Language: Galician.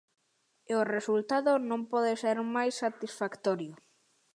E o resultado non pode ser máis satisfactorio.